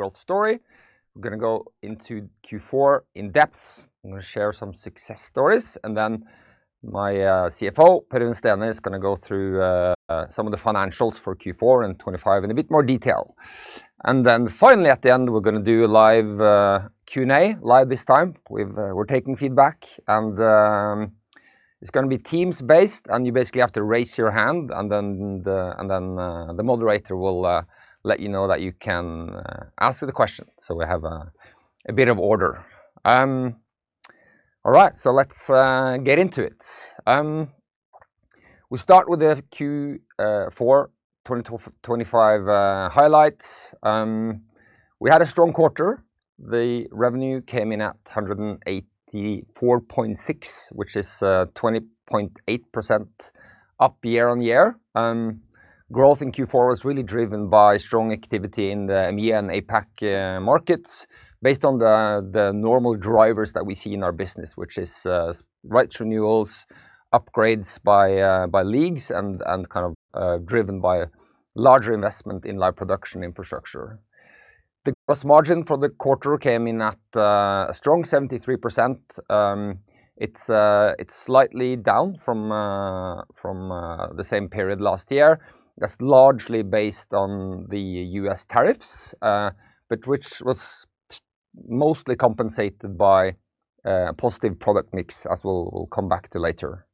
Growth story. We're gonna go into Q4 in depth. I'm gonna share some success stories, and then my CFO, Per Øyvind Stene, is gonna go through some of the financials for Q4 and 2025 in a bit more detail. And then finally, at the end, we're gonna do a live Q&A, live this time. We've-- we're taking feedback, and it's gonna be Teams-based, and you basically have to raise your hand, and then the moderator will let you know that you can ask the question, so we have a bit of order. All right, so let's get into it. We start with the Q4 2024-2025 highlights. We had a strong quarter. The revenue came in at 184.6 million, which is 20.8% up year-on-year. Growth in Q4 was really driven by strong activity in the EMEA and APAC markets, based on the normal drivers that we see in our business, which is rights renewals, upgrades by leagues, and kind of driven by larger investment in live production infrastructure. The gross margin for the quarter came in at a strong 73%. It's slightly down from the same period last year. That's largely based on the U.S. tariffs, but which was mostly compensated by positive product mix, as we'll come back to later.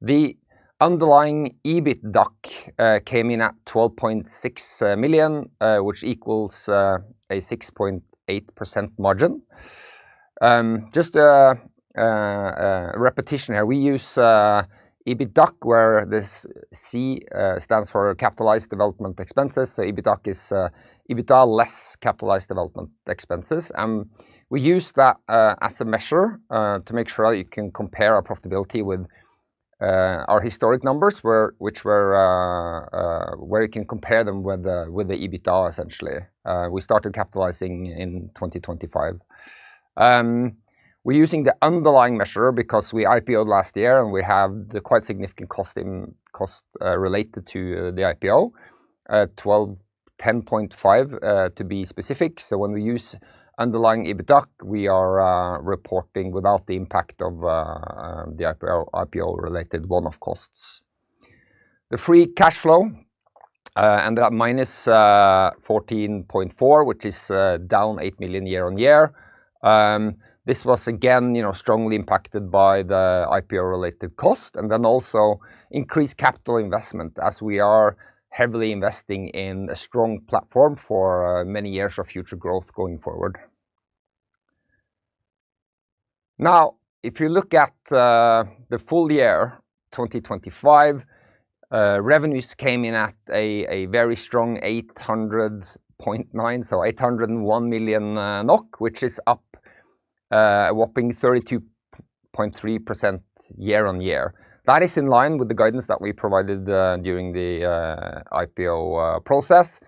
The underlying EBITDAC came in at 12.6 million, which equals a 6.8% margin. Just a repetition here, we use EBITDAC, where this C stands for capitalized development expenses. So EBITDAC is EBITDA less capitalized development expenses. We use that as a measure to make sure that you can compare our profitability with our historic numbers, where you can compare them with the EBITDA, essentially. We started capitalizing in 2025. We're using the underlying measure because we IPO'd last year, and we have quite significant costs related to the IPO, 10.5 million, to be specific. So when we use underlying EBITDAC, we are reporting without the impact of the IPO, IPO-related one-off costs. The free cash flow ended at -14.4 million, which is down 8 million year-on-year. This was again, you know, strongly impacted by the IPO-related cost, and then also increased capital investment, as we are heavily investing in a strong platform for many years of future growth going forward. Now, if you look at the full year, 2025, revenues came in at a very strong 800.9 million, so 801 million NOK, which is up a whopping 32.3% year-on-year. That is in line with the guidance that we provided during the IPO process,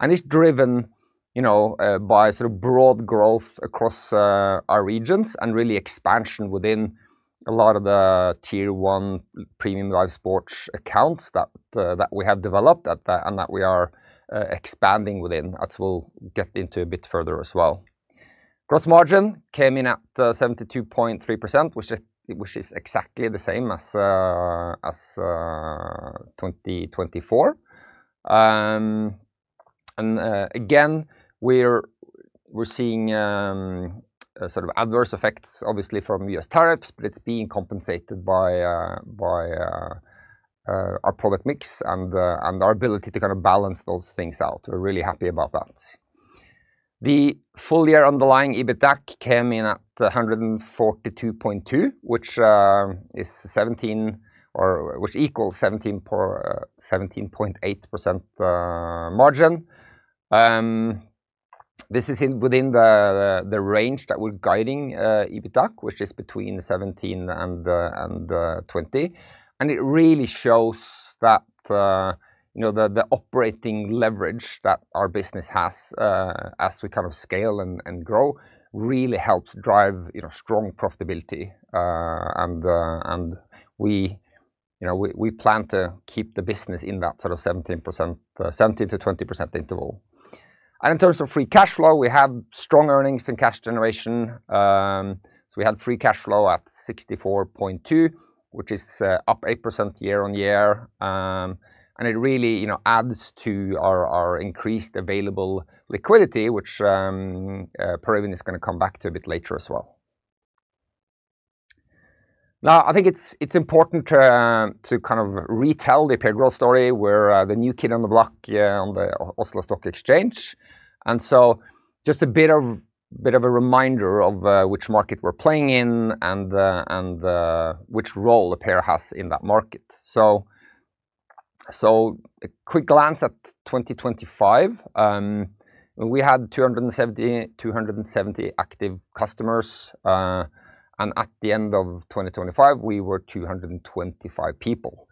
and it's driven, you know, by sort of broad growth across our regions, and really expansion within a lot of the tier one premium live sports accounts that we have developed at the... and that we are expanding within, as we'll get into a bit further as well. Gross margin came in at 72.3%, which is exactly the same as 2024. Again, we're seeing sort of adverse effects, obviously, from U.S. tariffs, but it's being compensated by our product mix and our ability to kind of balance those things out. We're really happy about that. The full-year underlying EBITDAC came in at 142.2, which is seventeen or which equals 17.8% margin. This is within the range that we're guiding, EBITDAC, which is between 17 and 20, and it really shows that, you know, the operating leverage that our business has, as we kind of scale and grow, really helps drive, you know, strong profitability. And we, you know, we plan to keep the business in that sort of 17%, 17%-20% interval. In terms of free cash flow, we had strong earnings and cash generation. So we had free cash flow at 64.2, which is up 8% year-on-year. And it really, you know, adds to our increased available liquidity, which Per Øyvind is gonna come back to a bit later as well. Now, I think it's important to kind of retell the Appear growth story. We're the new kid on the block on the Oslo Stock Exchange, and so just a bit of a reminder of which market we're playing in, and which role Appear has in that market. So a quick glance at 2025, we had 270 active customers, and at the end of 2025, we were 225 people.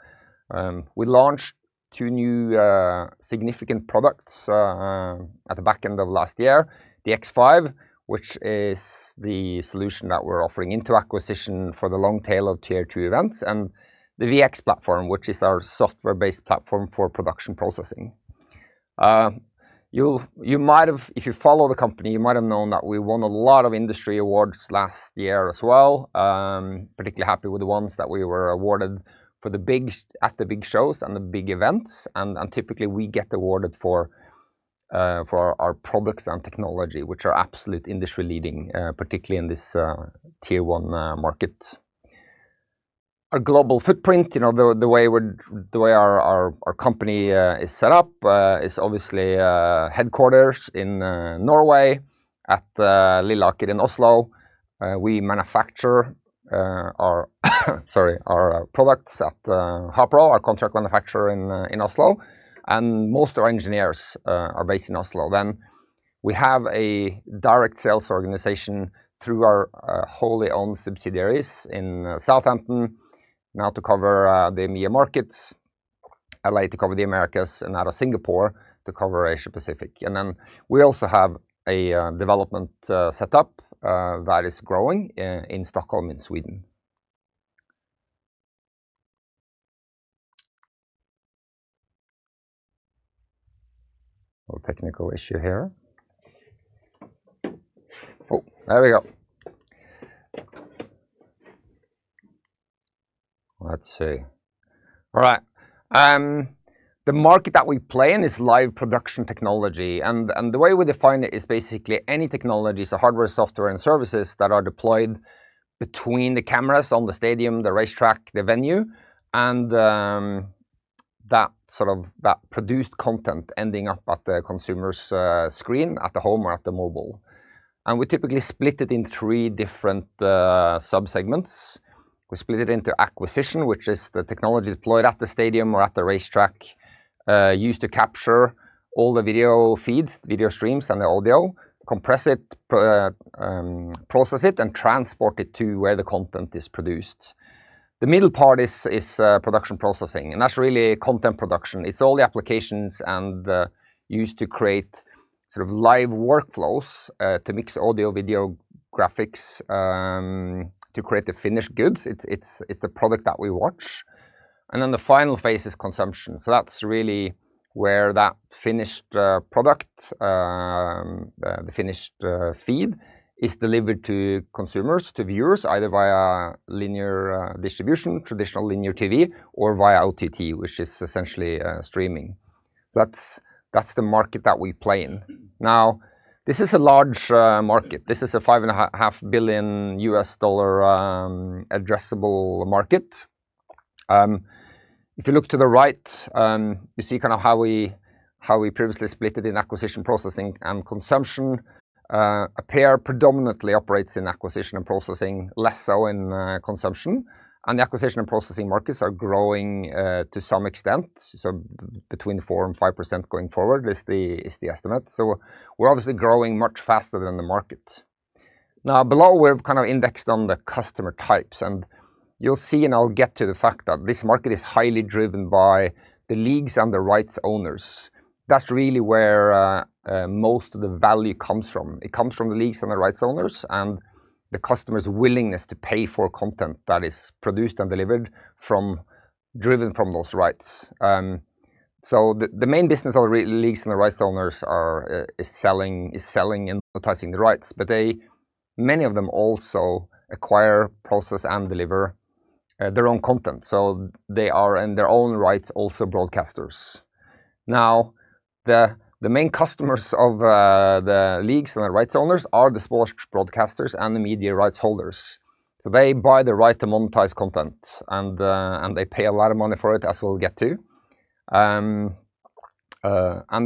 We launched two new significant products at the back end of last year, the X5, which is the solution that we're offering into acquisition for the long tail of Tier Two events, and the VX platform, which is our software-based platform for production processing. You'll – you might have – if you follow the company, you might have known that we won a lot of industry awards last year as well. Particularly happy with the ones that we were awarded for the big, at the big shows and the big events, and typically, we get awarded for our products and technology, which are absolute industry-leading, particularly in this Tier One market. Our global footprint, you know, the way we're set up, the way our company is set up, is obviously headquarters in Norway at Lilleaker in Oslo. We manufacture our products at Hapro, our contract manufacturer in Oslo, and most of our engineers are based in Oslo. Then we have a direct sales organization through our wholly-owned subsidiaries in Southampton, now to cover the EMEA markets, LA to cover the Americas, and out of Singapore to cover Asia Pacific. And then we also have a development set up that is growing in Stockholm, in Sweden. A little technical issue here. Oh, there we go! Let's see. All right. The market that we play in is live production technology, and the way we define it is basically any technologies, the hardware, software, and services that are deployed between the cameras on the stadium, the racetrack, the venue, and that sort of that produced content ending up at the consumer's screen, at the home or at the mobile. We typically split it into three different subsegments. We split it into acquisition, which is the technology deployed at the stadium or at the racetrack, used to capture all the video feeds, video streams, and the audio, compress it, process it, and transport it to where the content is produced. The middle part is production processing, and that's really content production. It's all the applications and used to create sort of live workflows, to mix audio, video, graphics, to create the finished goods. It's the product that we watch. And then the final phase is consumption. So that's really where that finished product, the finished feed is delivered to consumers, to viewers, either via linear distribution, traditional linear TV, or via OTT, which is essentially streaming. That's the market that we play in. Now, this is a large market. This is a $5.5 billion addressable market. If you look to the right, you see kind of how we, how we previously split it in acquisition, processing, and consumption. Appear predominantly operates in acquisition and processing, less so in consumption, and the acquisition and processing markets are growing to some extent, so between 4%-5% going forward is the estimate. So we're obviously growing much faster than the market. Now, below, we've kind of indexed on the customer types, and you'll see, and I'll get to the fact that this market is highly driven by the leagues and the rights owners. That's really where most of the value comes from. It comes from the leagues and the rights owners, and the customer's willingness to pay for content that is produced and delivered from... driven from those rights. So the main business of the leagues and the rights owners is selling and monetizing the rights, but they, many of them also acquire, process, and deliver their own content, so they are, in their own rights, also broadcasters. Now, the main customers of the leagues and the rights owners are the sports broadcasters and the media rights holders. So they buy the right to monetize content, and they pay a lot of money for it, as we'll get to. And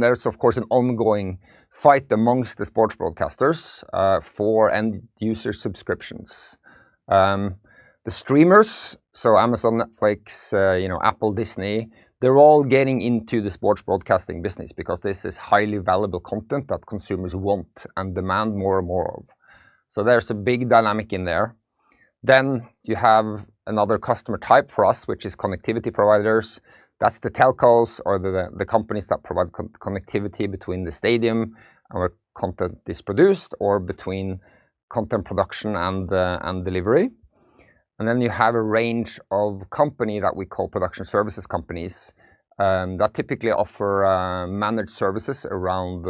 there's, of course, an ongoing fight amongst the sports broadcasters for end-user subscriptions. The streamers, so Amazon, Netflix, you know, Apple, Disney, they're all getting into the sports broadcasting business because this is highly valuable content that consumers want and demand more and more of. So there's a big dynamic in there. Then you have another customer type for us, which is connectivity providers. That's the telcos or the companies that provide connectivity between the stadium and where content is produced or between content production and delivery. Then you have a range of companies that we call production services companies that typically offer managed services around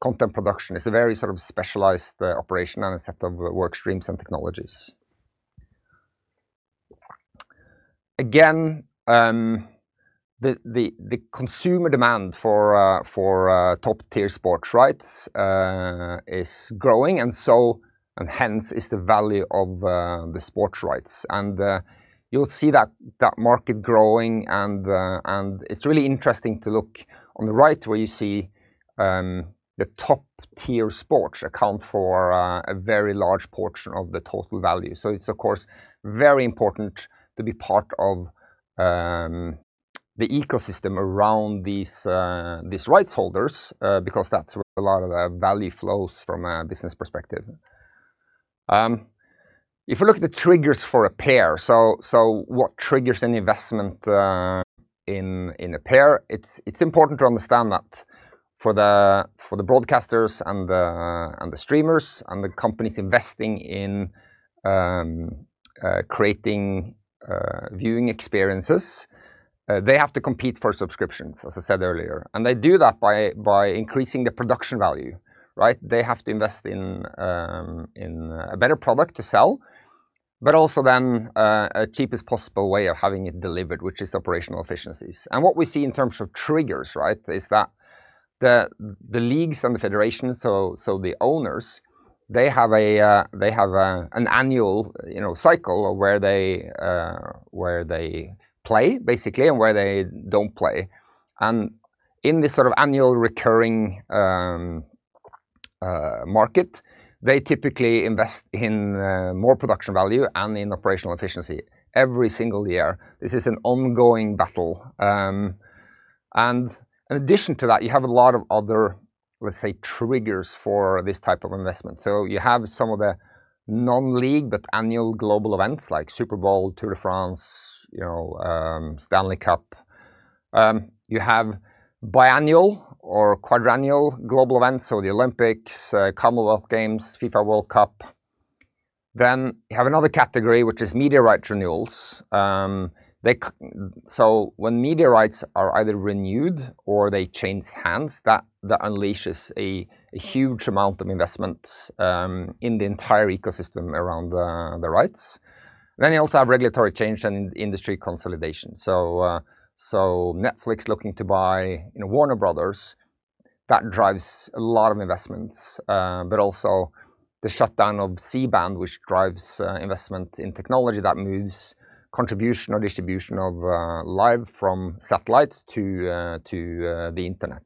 content production. It's a very sort of specialized operation and a set of work streams and technologies. Again, the consumer demand for top-tier sports rights is growing, and so, and hence, is the value of the sports rights. And, you'll see that market growing and, and it's really interesting to look on the right, where you see the top-tier sports account for a very large portion of the total value. So it's, of course, very important to be part of the ecosystem around these rights holders, because that's where a lot of the value flows from a business perspective. If you look at the triggers for Appear, so what triggers an investment in Appear? It's important to understand that for the broadcasters and the streamers, and the companies investing in creating viewing experiences, they have to compete for subscriptions, as I said earlier, and they do that by increasing the production value, right? They have to invest in a better product to sell, but also then a cheapest possible way of having it delivered, which is operational efficiencies. And what we see in terms of triggers, right, is that the leagues and the federation, so the owners, they have an annual, you know, cycle of where they play, basically, and where they don't play. And in this sort of annual recurring market, they typically invest in more production value and in operational efficiency every single year. This is an ongoing battle. And in addition to that, you have a lot of other, let's say, triggers for this type of investment. So you have some of the non-league, but annual global events like Super Bowl, Tour de France, you know, Stanley Cup. You have biannual or quadrennial global events, so the Olympics, Commonwealth Games, FIFA World Cup. Then you have another category, which is media rights renewals. So when media rights are either renewed or they change hands, that unleashes a huge amount of investments in the entire ecosystem around the rights. Then you also have regulatory change and industry consolidation. So Netflix looking to buy, you know, Warner Brothers, that drives a lot of investments, but also the shutdown of C-Band, which drives investment in technology that moves contribution or distribution of live from satellites to the internet.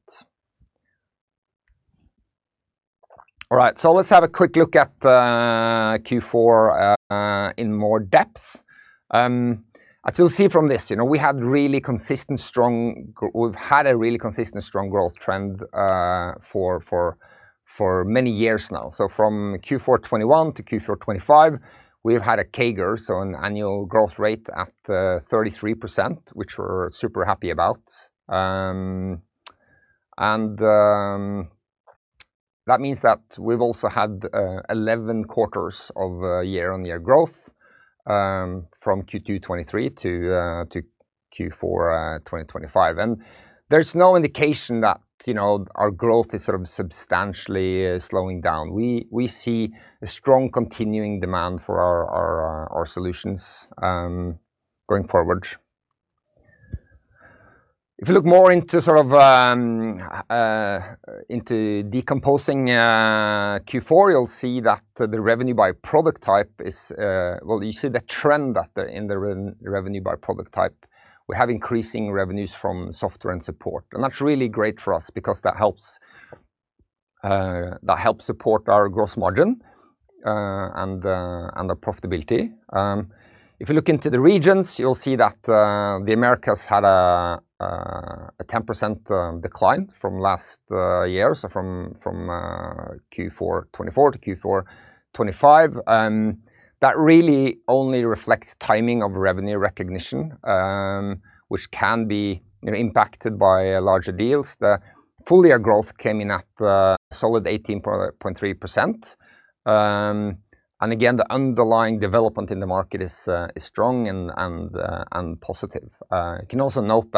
All right, so let's have a quick look at Q4 in more depth. As you'll see from this, you know, we've had a really consistent, strong growth trend for many years now. So from Q4 2021 to Q4 2025, we've had a CAGR, so an annual growth rate at 33%, which we're super happy about. And that means that we've also had 11 quarters of year-on-year growth from Q2 2023 to Q4 2025. There's no indication that, you know, our growth is sort of substantially slowing down. We see a strong continuing demand for our solutions going forward. If you look more into sort of into decomposing Q4, you'll see that the revenue by product type is... well, you see the trend that the in the revenue by product type. We have increasing revenues from software and support, and that's really great for us because that helps that helps support our gross margin and the and the profitability. If you look into the regions, you'll see that the Americas had a a 10% decline from last year, so from from Q4 2024 to Q4 2025. That really only reflects timing of revenue recognition, which can be, you know, impacted by larger deals. The full year growth came in at a solid 18.3%. And again, the underlying development in the market is strong and positive. You can also note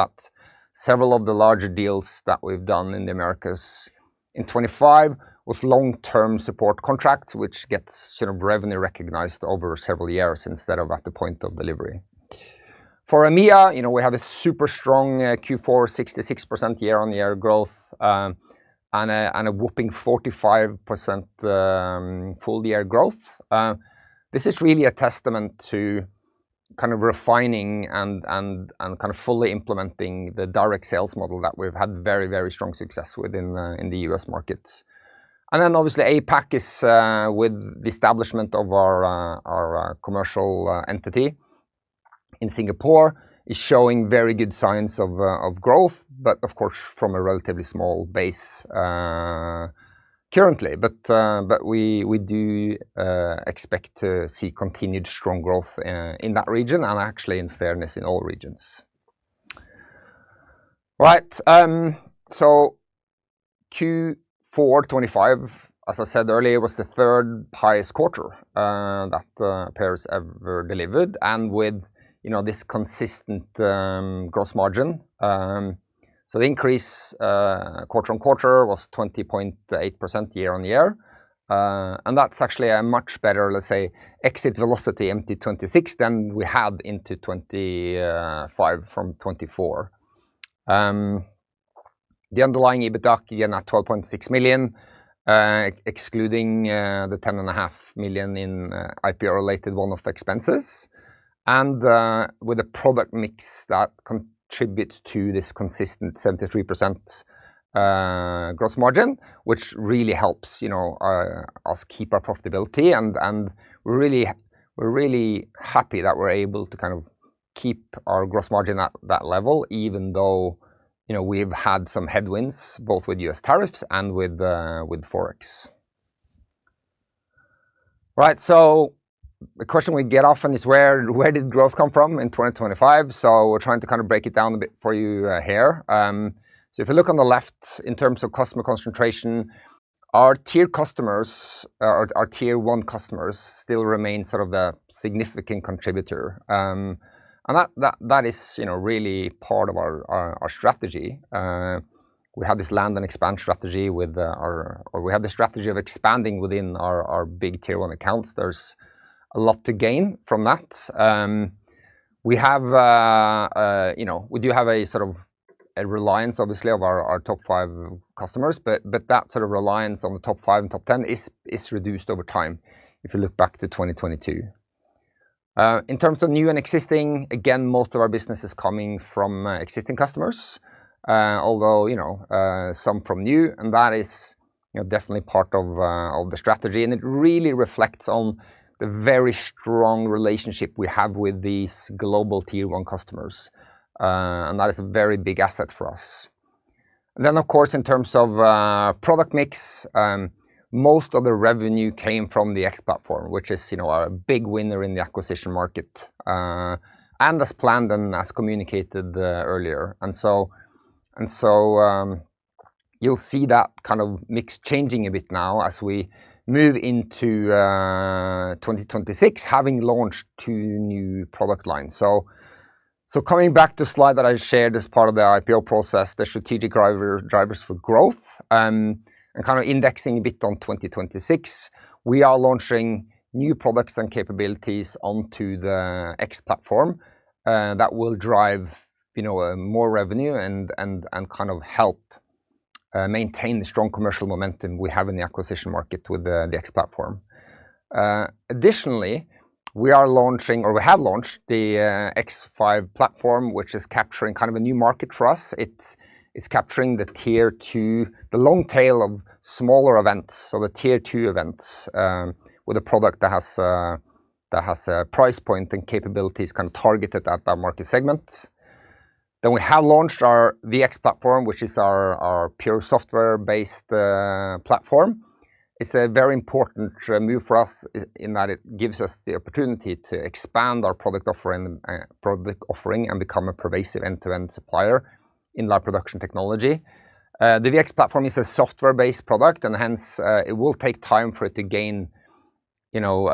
that several of the larger deals that we've done in the Americas in 2025 was long-term support contracts, which gets sort of revenue recognized over several years instead of at the point of delivery. For EMEA, you know, we have a super strong Q4, 66% year-on-year growth, and a whopping 45% full year growth. This is really a testament to kind of refining and kind of fully implementing the direct sales model that we've had very, very strong success with in the U.S. market. And then obviously, APAC is with the establishment of our commercial entity in Singapore, is showing very good signs of growth, but of course, from a relatively small base currently. But we do expect to see continued strong growth in that region, and actually, in fairness, in all regions. Right, so Q4 2025, as I said earlier, was the third highest quarter that Appear has ever delivered, and with, you know, this consistent gross margin. So the increase quarter-over-quarter was 20.8% year-over-year. And that's actually a much better, let's say, exit velocity into 2026 than we had into 2025 from 2024. The underlying EBITDAC, again, at 12.6 million, excluding the 10.5 million in IPO-related one-off expenses, and with a product mix that contributes to this consistent 73% gross margin, which really helps, you know, us keep our profitability. And, and we're really, we're really happy that we're able to kind of keep our gross margin at that level, even though, you know, we've had some headwinds, both with U.S. tariffs and with Forex. Right, so the question we get often is where, where did growth come from in 2025? So we're trying to kind of break it down a bit for you, here. So if you look on the left, in terms of customer concentration, our tier customers, or our tier one customers, still remain sort of a significant contributor. And that is, you know, really part of our strategy. We have this land and expand strategy with our or we have the strategy of expanding within our big tier one accounts. There's a lot to gain from that. You know, we do have a sort of a reliance, obviously, of our top five customers, but that sort of reliance on the top five and top ten is reduced over time if you look back to 2022. In terms of new and existing, again, most of our business is coming from existing customers, although, you know, some from new, and that is, you know, definitely part of the strategy. And it really reflects on the very strong relationship we have with these global tier one customers, and that is a very big asset for us. And then, of course, in terms of product mix, most of the revenue came from the X Platform, which is, you know, a big winner in the acquisition market, and as planned and as communicated earlier. And so, and so, you'll see that kind of mix changing a bit now as we move into 2026, having launched two new product lines. Coming back to the slide that I shared as part of the IPO process, the strategic drivers for growth, and kind of indexing a bit on 2026, we are launching new products and capabilities onto the X Platform, that will drive, you know, more revenue and kind of help maintain the strong commercial momentum we have in the acquisition market with the X Platform. Additionally, we are launching, or we have launched, the X5 Platform, which is capturing kind of a new market for us. It's capturing the Tier 2, the long tail of smaller events, so the Tier 2 events, with a product that has a price point and capabilities kind of targeted at that market segment. Then we have launched our VX platform, which is our pure software-based platform. It's a very important move for us in that it gives us the opportunity to expand our product offering, product offering and become a pervasive end-to-end supplier in live production technology. The VX platform is a software-based product, and hence, it will take time for it to gain, you know,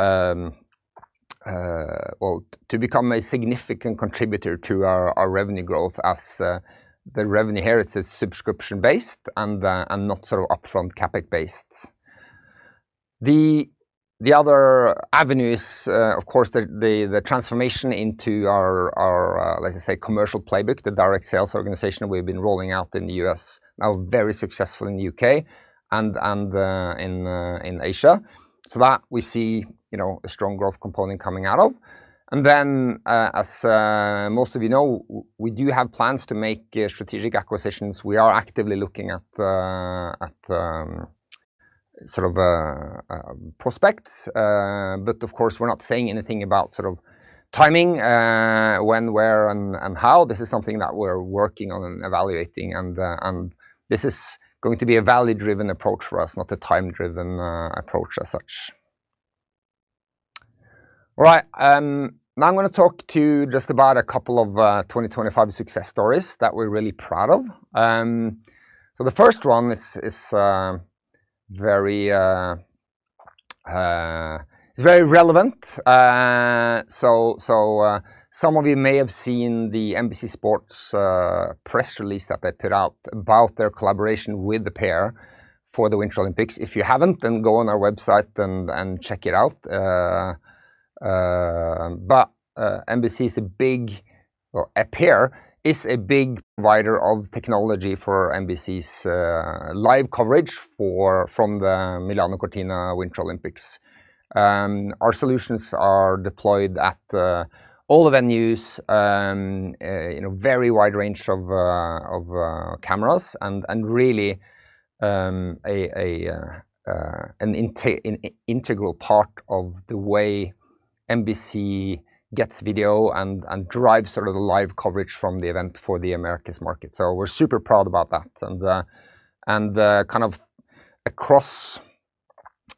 well, to become a significant contributor to our revenue growth as the revenue here is subscription-based and not sort of upfront CapEx-based. The other avenue is, of course, the transformation into our, let's say, commercial playbook, the direct sales organization we've been rolling out in the U.S., now very successful in the U.K. and in Asia. So that we see, you know, a strong growth component coming out of. And then, as most of you know, we do have plans to make strategic acquisitions. We are actively looking at sort of prospects. But of course, we're not saying anything about sort of timing, when, where, and how. This is something that we're working on and evaluating, and this is going to be a value-driven approach for us, not a time-driven approach as such. All right, now I'm gonna talk to you just about a couple of 2025 success stories that we're really proud of. So the first one is very relevant. So, some of you may have seen the NBC Sports press release that they put out about their collaboration with Appear for the Winter Olympics. If you haven't, then go on our website and check it out. But, NBC is a big... well, Appear is a big provider of technology for NBC's live coverage from the Milano Cortina Winter Olympics. Our solutions are deployed at all the venues in a very wide range of cameras, and really an integral part of the way NBC gets video and drives sort of the live coverage from the event for the Americas market. So we're super proud about that. Across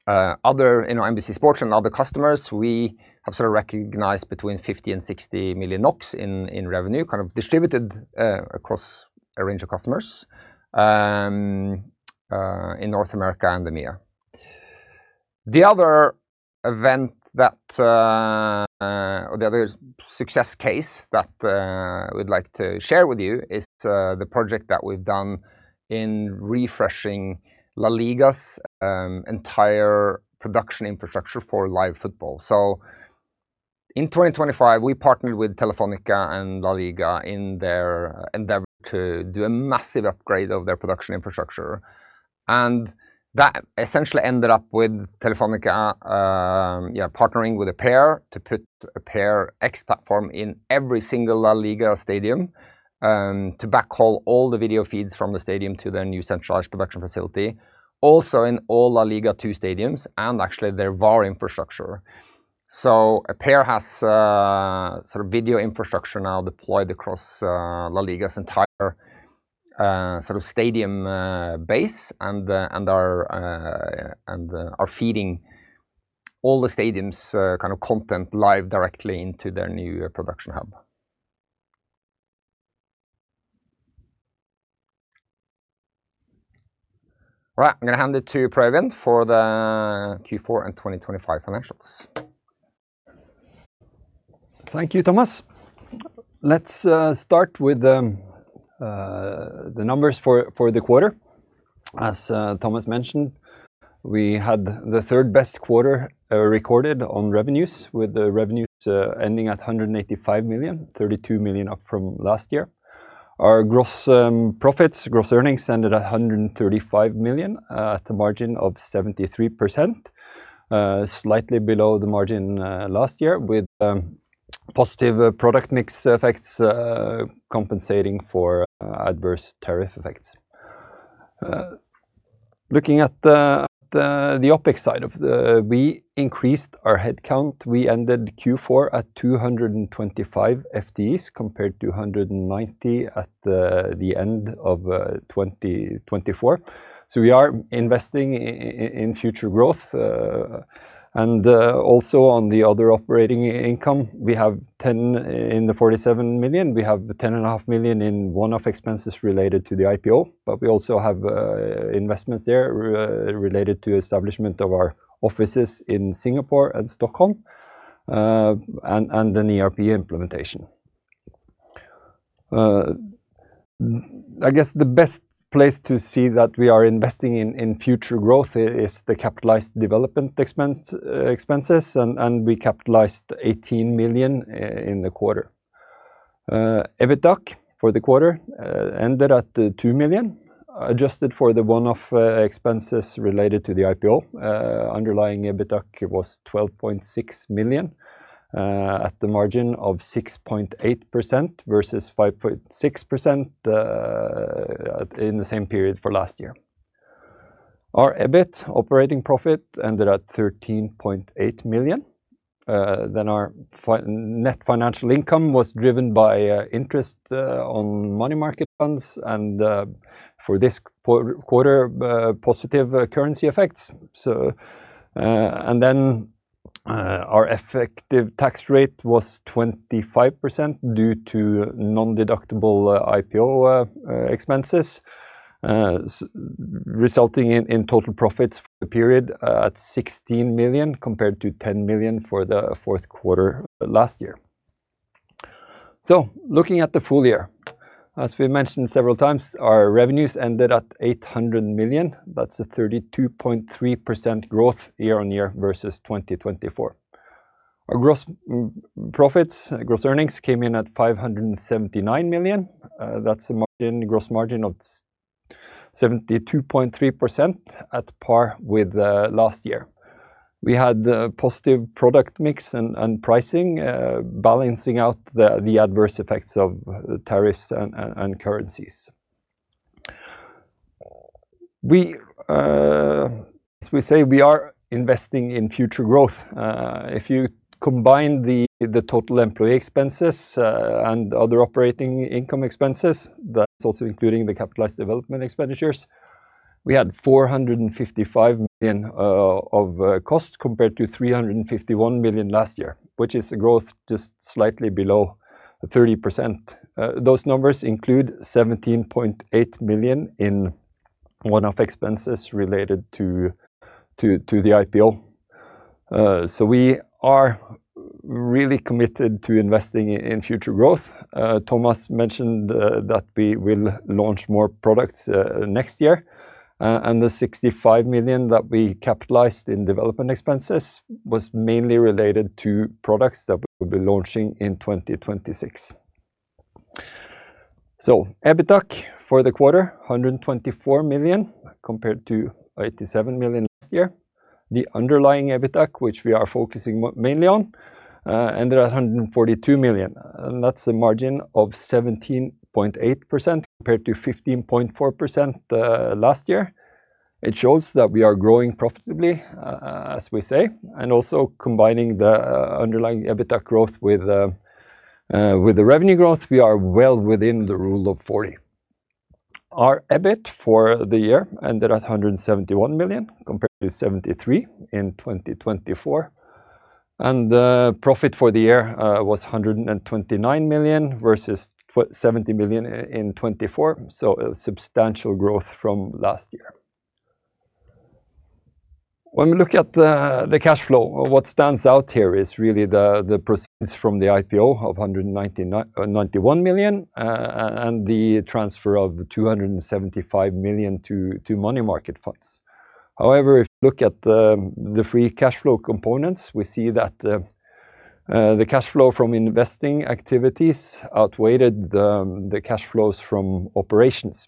other, you know, NBC Sports and other customers, we have sort of recognized between 50 million and 60 million NOK in revenue, kind of distributed across a range of customers in North America and EMEA. The other event that, or the other success case that, we'd like to share with you is the project that we've done in refreshing LaLiga's entire production infrastructure for live football. So in 2025, we partnered with Telefónica and LaLiga in their endeavor to do a massive upgrade of their production infrastructure, and that essentially ended up with Telefónica partnering with Appear to put Appear X Platform in every single LaLiga stadium, to backhaul all the video feeds from the stadium to their new centralized production facility, also in all LaLiga 2 stadiums and actually their VAR infrastructure. So Appear has sort of video infrastructure now deployed across LaLiga's entire sort of stadium base and are feeding all the stadiums' kind of content live directly into their new production hub. All right, I'm going to hand it to Per Øyvind for the Q4 and 2025 financials. Thank you, Thomas. Let's start with the numbers for the quarter. As Thomas mentioned, we had the third best quarter recorded on revenues, with the revenues ending at 185 million, 32 million up from last year. Our gross profits, gross earnings, ended at 135 million, at a margin of 73%, slightly below the margin last year, with positive product mix effects compensating for adverse tariff effects. Looking at the OpEx side of the... We increased our headcount. We ended Q4 at 225 FTEs, compared to 190 at the end of 2024. So we are investing in future growth. And also on the other operating income, we have 10 in the 47 million. We have 10.5 million in one-off expenses related to the IPO, but we also have investments there related to establishment of our offices in Singapore and Stockholm, and an ERP implementation. I guess the best place to see that we are investing in future growth is the capitalized development expense, expenses, and we capitalized 18 million in the quarter. EBITDAC for the quarter ended at 2 million, adjusted for the one-off expenses related to the IPO. Underlying EBITDAC was 12.6 million at the margin of 6.8% versus 5.6% in the same period for last year. Our EBIT operating profit ended at 13.8 million. Then our net financial income was driven by interest on money market funds, and for this quarter, positive currency effects. So, our effective tax rate was 25% due to non-deductible IPO expenses, resulting in total profits for the period at 16 million, compared to 10 million for the fourth quarter last year. So looking at the full year, as we've mentioned several times, our revenues ended at 800 million. That's a 32.3% growth year-on-year versus 2024. Our gross profits, gross earnings came in at 579 million. That's a gross margin of 72.3% at par with last year. We had positive product mix and pricing balancing out the adverse effects of tariffs and currencies. We, as we say, we are investing in future growth. If you combine the total employee expenses and other operating income expenses, that's also including the capitalized development expenditures, we had 455 million of costs, compared to 351 million last year, which is a growth just slightly below 30%. Those numbers include 17.8 million in one-off expenses related to the IPO. So we are really committed to investing in future growth. Thomas mentioned that we will launch more products next year, and the 65 million that we capitalized in development expenses was mainly related to products that we'll be launching in 2026. So EBITDAC for the quarter, 124 million, compared to 87 million last year. The underlying EBITDAC, which we are focusing mainly on, ended at 142 million, and that's a margin of 17.8%, compared to 15.4%, last year. It shows that we are growing profitably, as we say, and also combining the underlying EBITDAC growth with the revenue growth, we are well within the Rule of Forty. Our EBIT for the year ended at 171 million, compared to 73 million in 2024, and the profit for the year was 129 million versus 70 million in 2024, so a substantial growth from last year. When we look at the cash flow, what stands out here is really the proceeds from the IPO of 191 million and the transfer of 275 million to money market funds. However, if you look at the free cash flow components, we see that the cash flow from investing activities outweighed the cash flows from operations.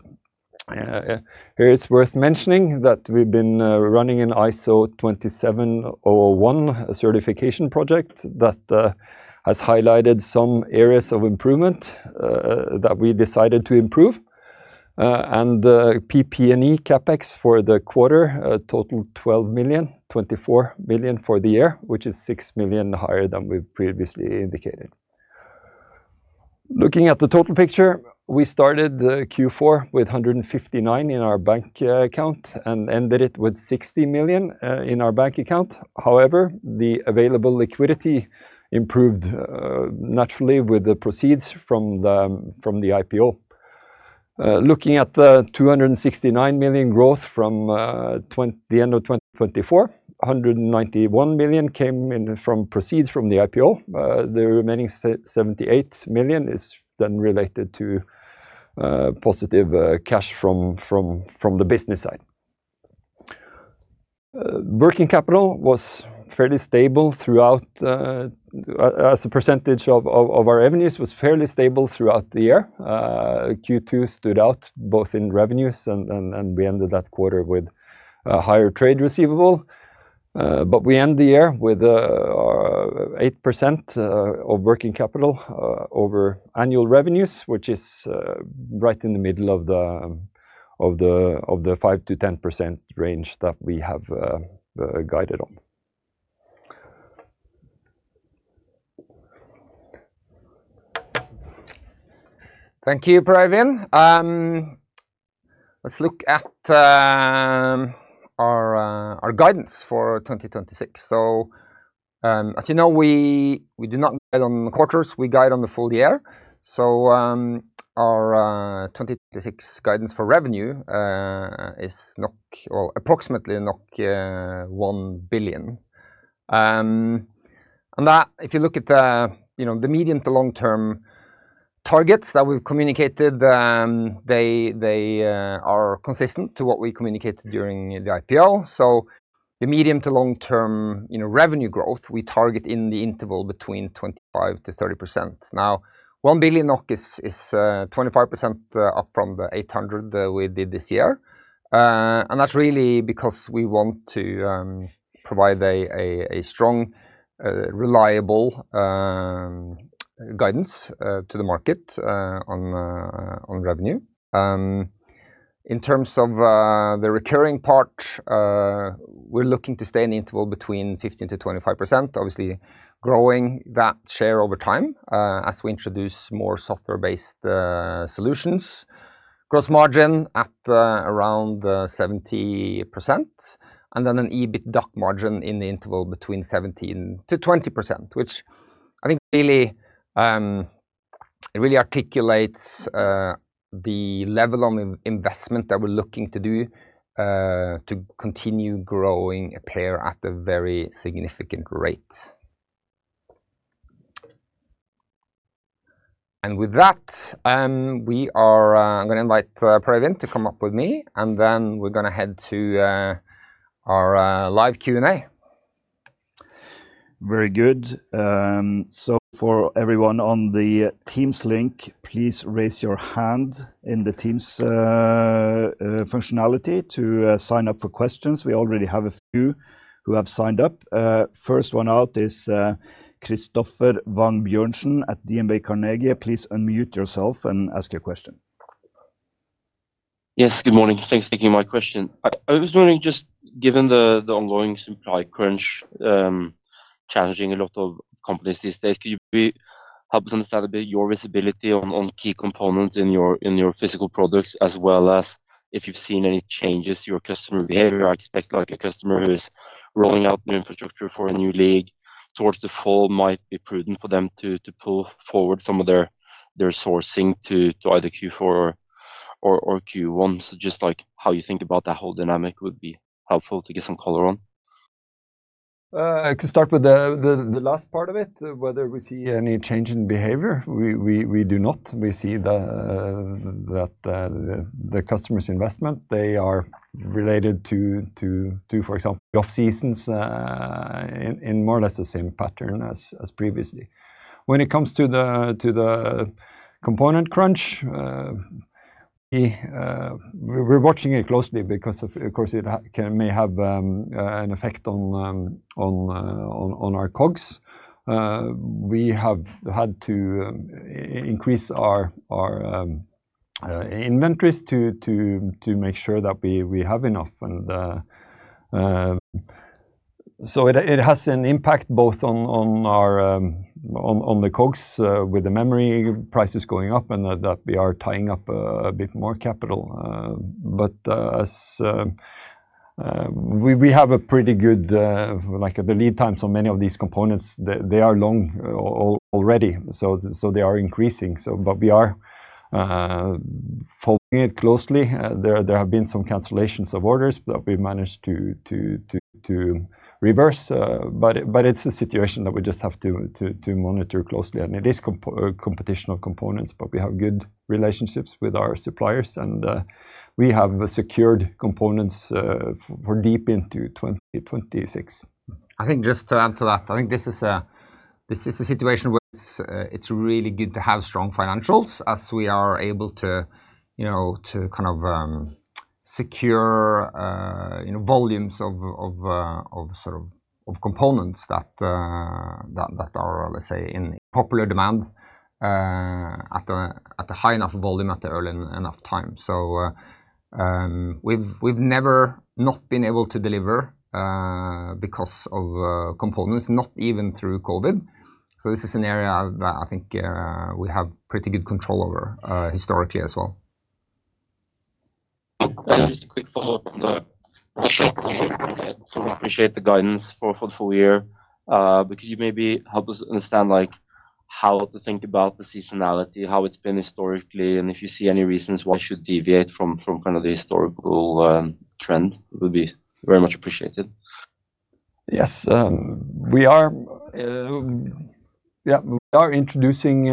Here, it's worth mentioning that we've been running an ISO 27001 certification project that has highlighted some areas of improvement that we decided to improve. And the PP&E CapEx for the quarter totaled 12 million, 24 million for the year, which is 6 million higher than we've previously indicated. Looking at the total picture, we started the Q4 with 159 million in our bank account and ended it with 60 million in our bank account. However, the available liquidity improved naturally with the proceeds from the IPO. Looking at the 269 million growth from the end of 2024, 191 million came in from proceeds from the IPO. The remaining seventy-eight million is then related to positive cash from the business side. Working capital was fairly stable throughout as a percentage of our revenues, was fairly stable throughout the year. Q2 stood out both in revenues and we ended that quarter with a higher trade receivable. But we end the year with 8% of working capital over annual revenues, which is right in the middle of the 5%-10% range that we have guided on. Thank you, Per Øyvind. Let's look at our guidance for 2026. So, as you know, we do not guide on the quarters, we guide on the full year. So, our 2026 guidance for revenue is NOK—or approximately 1 billion. And that, if you look at the, you know, the medium to long-term targets that we've communicated, they are consistent to what we communicated during the IPO. So the medium to long-term, you know, revenue growth, we target in the interval between 25%-30%. Now, 1 billion NOK is 25% up from the 800 million we did this year. And that's really because we want to provide a strong, reliable guidance to the market on revenue. In terms of the recurring part, we're looking to stay in the interval between 15%-25%, obviously growing that share over time, as we introduce more software-based solutions. Gross margin at around 70%, and then an EBITDAC margin in the interval between 17%-20%, which I think really articulates the level of investment that we're looking to do to continue growing Appear at a very significant rate. With that, I'm gonna invite Per Øyvind to come up with me, and then we're gonna head to our live Q&A. Very good. So for everyone on the teams link, please raise your hand in the teams functionality to sign up for questions. We already have a few who have signed up. First one out is Christoffer Wang Bjørnsen at DNB Carnegie. Please unmute yourself and ask your question. Yes, good morning. Thanks for taking my question. I, I was wondering, just given the, the ongoing supply crunch, challenging a lot of companies these days, could you maybe help us understand a bit your visibility on, on key components in your, in your physical products, as well as if you've seen any changes to your customer behavior? I expect like a customer who is rolling out new infrastructure for a new league towards the fall, might be prudent for them to, to pull forward some of their, their sourcing to, to either Q4 or, or, or Q1. So just, like, how you think about that whole dynamic would be helpful to get some color on. I can start with the last part of it, whether we see any change in behavior. We do not. We see that the customer's investment, they are related to, for example, off seasons, in more or less the same pattern as previously. When it comes to the component crunch, we're watching it closely because of course, it may have an effect on our COGS. We have had to increase our inventories to make sure that we have enough. It has an impact both on our COGS with the memory prices going up, and that we are tying up a bit more capital. But as we have a pretty good like the lead time, so many of these components, they are long lead already, so they are increasing. But we are following it closely. There have been some cancellations of orders that we managed to reverse, but it's a situation that we just have to monitor closely. And it is critical components, but we have good relationships with our suppliers, and we have secured components for deep into 2026. I think just to add to that, I think this is a situation where it's really good to have strong financials as we are able to, you know, to kind of secure, you know, volumes of sort of components that are, let's say, in popular demand at a high enough volume, at the early enough time. So-... We've never not been able to deliver because of components, not even through COVID. So this is an area that I think we have pretty good control over historically as well. Just a quick follow-up on that. I sure appreciate the guidance for the full year. But could you maybe help us understand, like, how to think about the seasonality, how it's been historically, and if you see any reasons why it should deviate from kind of the historical trend? It would be very much appreciated. Yes, we are introducing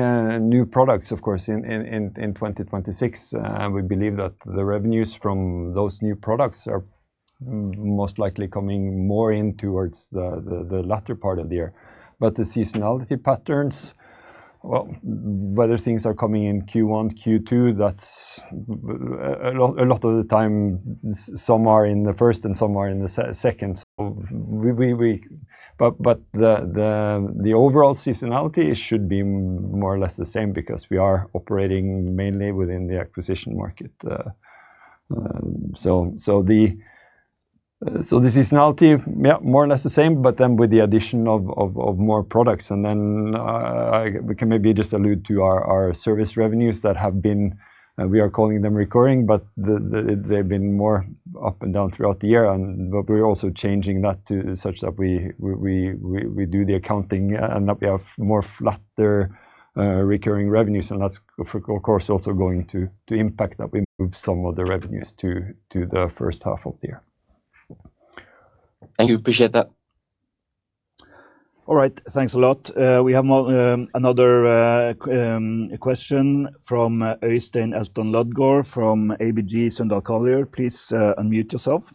new products, of course, in 2026. And we believe that the revenues from those new products are most likely coming more in towards the latter part of the year. But the seasonality patterns, well, whether things are coming in Q1, Q2, that's a lot of the time, some are in the first and some are in the second, so we... But the overall seasonality should be more or less the same because we are operating mainly within the acquisition market. So the seasonality, yeah, more or less the same, but then with the addition of more products, and then, I... We can maybe just allude to our service revenues that have been, and we are calling them recurring, but they've been more up and down throughout the year. But we're also changing that to such that we do the accounting, and that we have more flatter recurring revenues, and that's, of course, also going to impact that we move some of the revenues to the first half of the year. Thank you. Appreciate that. All right. Thanks a lot. We have one, another, question from Øystein Elton Lodgaard from ABG Sundal Collier. Please, unmute yourself.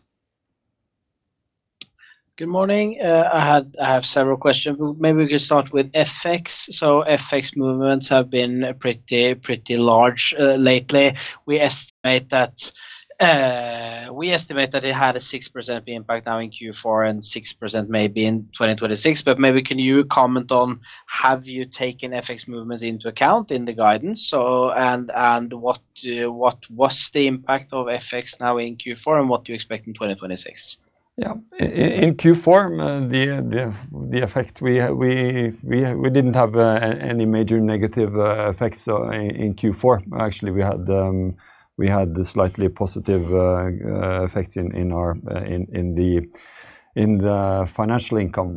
Good morning, I have several questions, but maybe we can start with FX. So FX movements have been pretty, pretty large lately. We estimate that it had a 6% impact now in Q4 and 6% maybe in 2026, but maybe can you comment on, have you taken FX movements into account in the guidance? So, and what's the impact of FX now in Q4, and what do you expect in 2026? Yeah. In Q4, the effect we didn't have any major negative effects, so in Q4. Actually, we had the slightly positive effects in our in the financial income,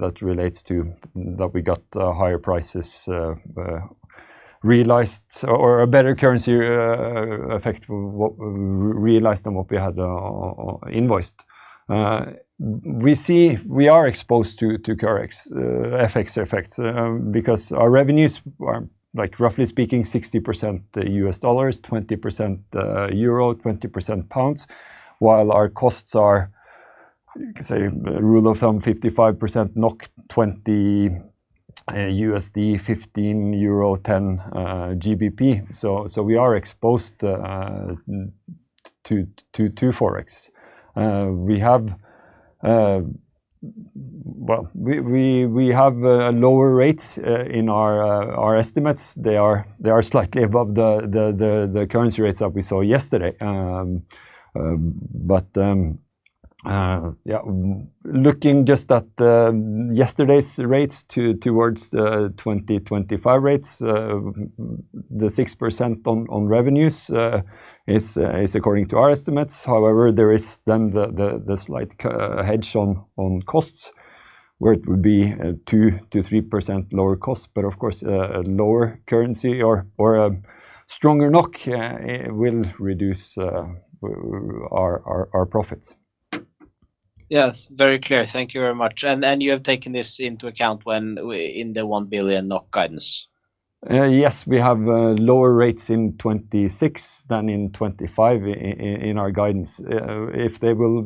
that relates to... That we got higher prices realized or a better currency effect what we realized than what we had invoiced. We are exposed to currency FX effects, because our revenues are, like, roughly speaking, 60% U.S. dollars, 20% EUR, 20% GBP, while our costs are, you could say, rule of thumb, 55% NOK, 20 USD, 15 euro, 10 GBP. So we are exposed to Forex. We have... Well, we have lower rates in our estimates. They are slightly above the currency rates that we saw yesterday. But yeah, looking just at yesterday's rates towards the 2025 rates, the 6% on revenues is according to our estimates. However, there is then the slight hedge on costs, where it would be 2%-3% lower cost. But of course, a lower currency or a stronger NOK will reduce our profits. Yes, very clear. Thank you very much. And you have taken this into account when we in the 1 billion NOK guidance? Yes, we have lower rates in 2026 than in 2025 in our guidance. If they will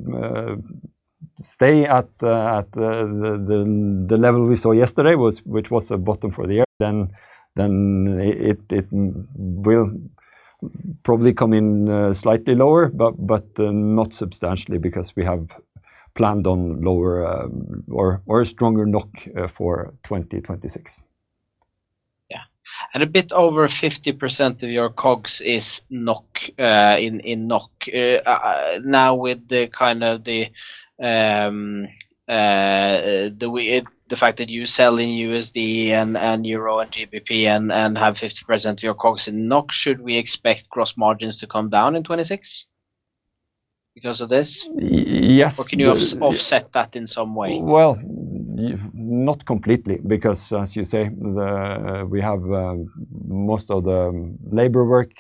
stay at the level we saw yesterday, which was a bottom for the year, then it will probably come in slightly lower, but not substantially because we have planned on lower, or a stronger NOK for 2026. Yeah. And a bit over 50% of your COGS is NOK, in NOK. Now, with the fact that you sell in USD and EUR, and GBP and have 50% of your COGS in NOK, should we expect gross margins to come down in 2026 because of this? Yes- Or can you offset that in some way? Well, not completely, because as you say, we have most of the labor work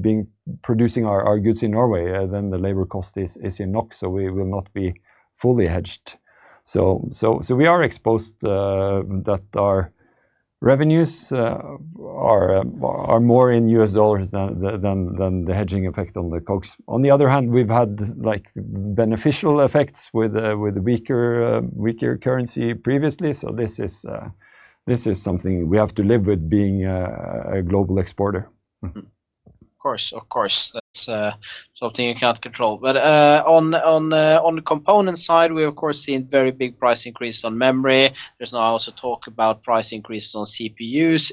being producing our goods in Norway, then the labor cost is in NOK, so we will not be fully hedged. So we are exposed that our revenues are more in U.S. dollars than the hedging effect on the COGS. On the other hand, we've had, like, beneficial effects with weaker currency previously, so this is something we have to live with being a global exporter. Mm-hmm. Of course, of course. That's something you can't control. But on the component side, we, of course, seen very big price increases on memory. There's now also talk about price increases on CPUs.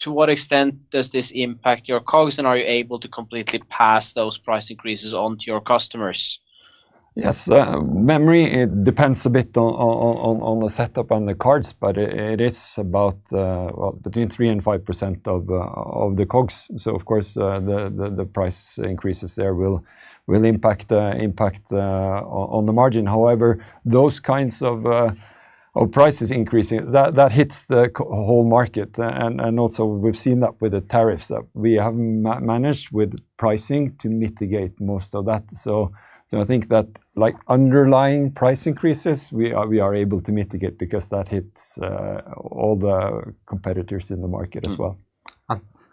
To what extent does this impact your COGS, and are you able to completely pass those price increases on to your customers? ... Yes, memory, it depends a bit on the setup on the cards, but it is about, well, between 3%-5% of the COGS. So of course, the price increases there will impact on the margin. However, those kinds of prices increasing, that hits the whole market. And also we've seen that with the tariffs, that we have managed with pricing to mitigate most of that. So I think that, like, underlying price increases, we are able to mitigate because that hits all the competitors in the market as well.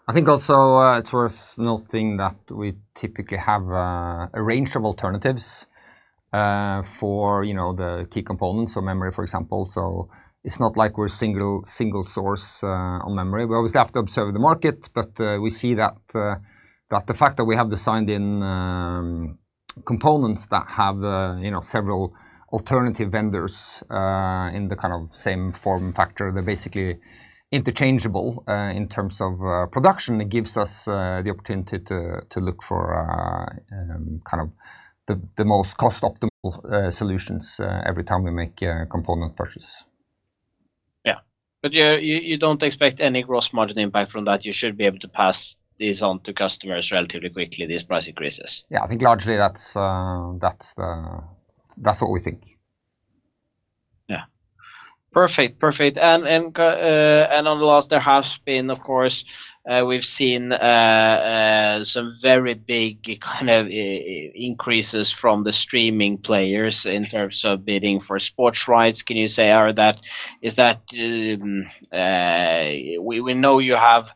I think also, it's worth noting that we typically have a range of alternatives for, you know, the key components, so memory, for example. So it's not like we're single source on memory. We obviously have to observe the market, but we see that the fact that we have designed in components that have, you know, several alternative vendors in the kind of same form factor, they're basically interchangeable. In terms of production, it gives us the opportunity to look for kind of the most cost-optimal solutions every time we make a component purchase. Yeah. But you don't expect any gross margin impact from that? You should be able to pass this on to customers relatively quickly, these price increases? Yeah, I think largely that's what we think. Yeah. Perfect. Perfect. And on the last, there has been, of course, we've seen some very big kind of increases from the streaming players in terms of bidding for sports rights. Can you say, is that... We know you have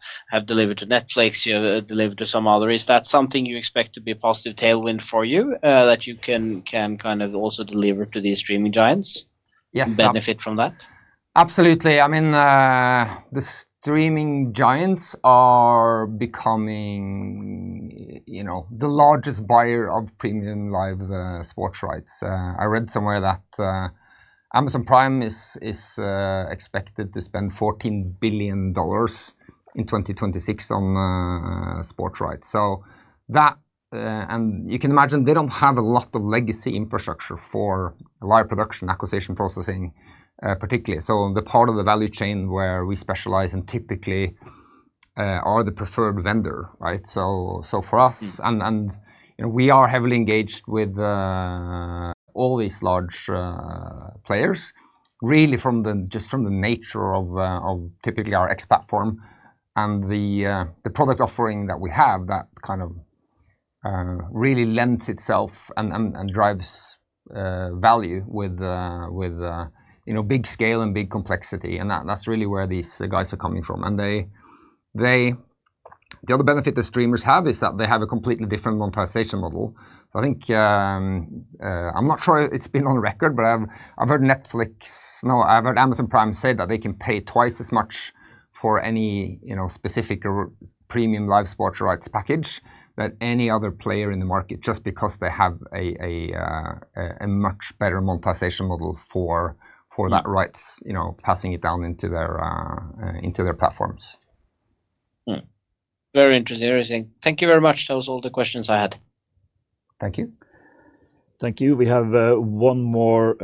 delivered to Netflix, you have delivered to some others. Is that something you expect to be a positive tailwind for you, that you can kind of also deliver to these streaming giants- Yes, that- And benefit from that? Absolutely. I mean, the streaming giants are becoming, you know, the largest buyer of premium live sports rights. I read somewhere that Amazon Prime is expected to spend $14 billion in 2026 on sports rights. So that... And you can imagine they don't have a lot of legacy infrastructure for live production, acquisition processing, particularly. So the part of the value chain where we specialize and typically are the preferred vendor, right? So for us- Mm. You know, we are heavily engaged with all these large players, really from just the nature of typically our X Platform and the product offering that we have, that kind of really lends itself and drives value with, you know, big scale and big complexity, and that's really where these guys are coming from. And they-- The other benefit the streamers have is that they have a completely different monetization model. I think, I'm not sure it's been on record, but I've heard Netflix... No, I've heard Amazon Prime say that they can pay twice as much for any, you know, specific or premium live sports rights package than any other player in the market, just because they have a much better monetization model for that rights, you know, passing it down into their platforms. Mm. Very interesting, interesting. Thank you very much. That was all the questions I had. Thank you. Thank you. We have one more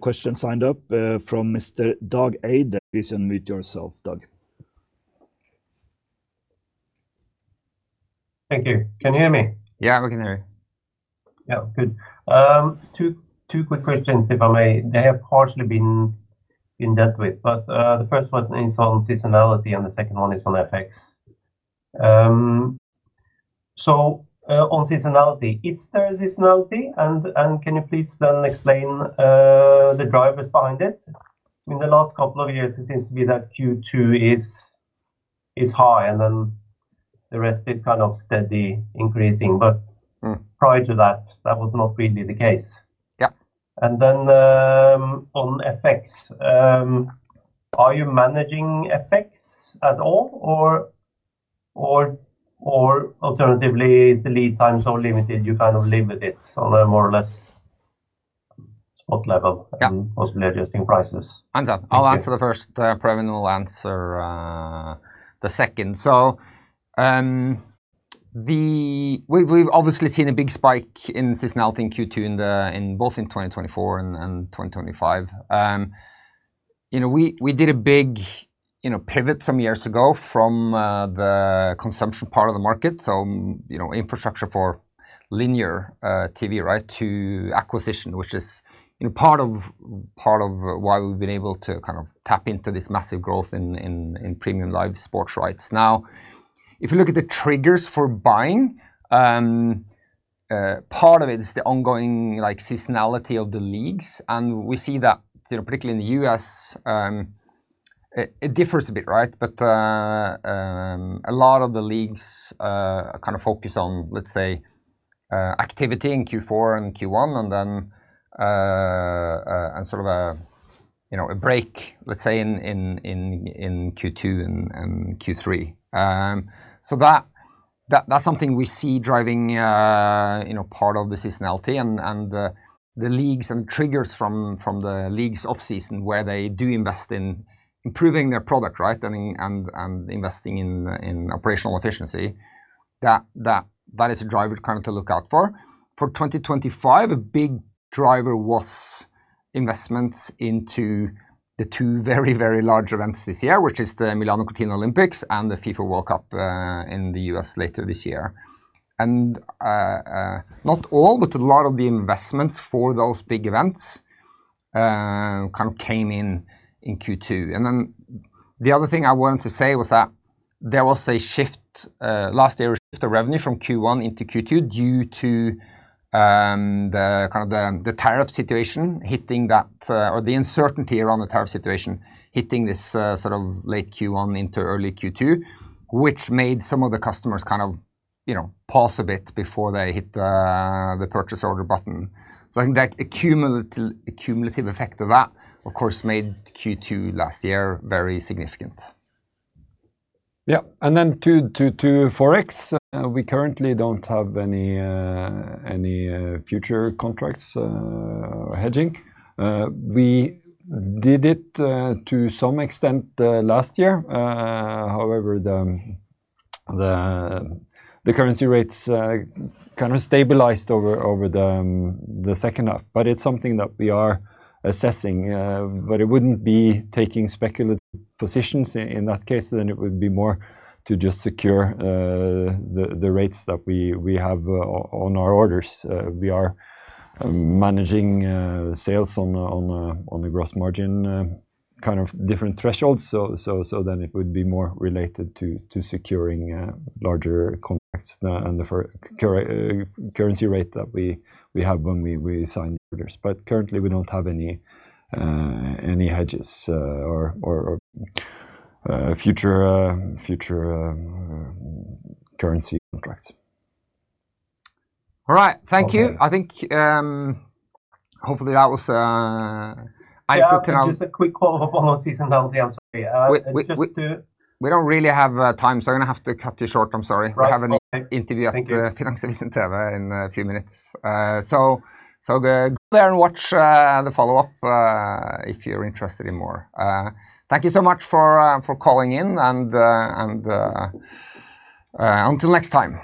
question signed up from Mr. Dag Eide. Please unmute yourself, Doug. Thank you. Can you hear me? Yeah, we can hear you. Yeah, good. Two quick questions, if I may. They have partially been dealt with, but the first one is on seasonality and the second one is on FX. So, on seasonality, is there seasonality? And can you please then explain the drivers behind it? In the last couple of years, it seems to be that Q2 is high, and then the rest is kind of steady increasing. But- Mm... prior to that, that was not really the case. Yeah. On FX, are you managing FX at all? Or, alternatively, is the lead time so limited you kind of live with it on a more or less spot level? Yeah... and possibly adjusting prices? I'll answer- Thank you. The first, Per Øyvind will answer, the second. So, the... We've obviously seen a big spike in seasonality in Q2, in both in 2024 and 2025. You know, we did a big, you know, pivot some years ago from the consumption part of the market, so, you know, infrastructure for linear TV, right, to acquisition, which is, you know, part of why we've been able to kind of tap into this massive growth in premium live sports rights. Now, if you look at the triggers for buying, part of it is the ongoing, like, seasonality of the leagues, and we see that, you know, particularly in the U.S., it differs a bit, right? A lot of the leagues kind of focus on, let's say, activity in Q4 and Q1, and then sort of a, you know, a break, let's say, in Q2 and Q3. So that's something we see driving, you know, part of the seasonality, and the leagues and triggers from the leagues off-season, where they do invest in improving their product, right? And investing in operational efficiency, that is a driver kind of to look out for. For 2025, a big driver was investments into the two very, very large events this year, which is the Milano-Cortina Olympics and the FIFA World Cup in the U.S. later this year. Not all, but a lot of the investments for those big events kind of came in in Q2. Then the other thing I wanted to say was that there was a shift last year, a shift of revenue from Q1 into Q2, due to the tariff situation hitting that—or the uncertainty around the tariff situation, hitting this sort of late Q1 into early Q2, which made some of the customers kind of, you know, pause a bit before they hit the purchase order button. So I think that cumulative effect of that, of course, made Q2 last year very significant. Yeah, and then to Forex, we currently don't have any future contracts or hedging. We did it to some extent last year. However, the currency rates kind of stabilized over the second half, but it's something that we are assessing. But it wouldn't be taking speculative positions in that case, then it would be more to just secure the rates that we have on our orders. We are managing sales on a gross margin kind of different thresholds. So then it would be more related to securing larger contracts and the currency rate that we have when we sign orders. But currently, we don't have any hedges, or future currency contracts. All right. Thank you. Okay. I think, hopefully, that was, I put down- Yeah, just a quick follow-up on seasonality, I'm sorry. Just to- We don't really have time, so I'm gonna have to cut you short. I'm sorry. Right. Okay. I have an interview at, Thank you... Finansavisen TV in a few minutes. So go there and watch the follow-up if you're interested in more. Thank you so much for calling in, and until next time.